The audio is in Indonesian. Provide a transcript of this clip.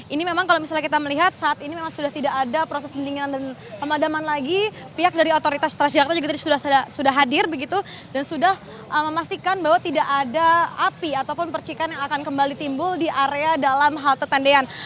ini memang kalau misalnya kita melihat saat ini memang sudah tidak ada proses pendinginan dan pemadaman lagi pihak dari otoritas transjakarta juga tadi sudah hadir begitu dan sudah memastikan bahwa tidak ada api ataupun percikan yang akan kembali timbul di area dalam halte tendean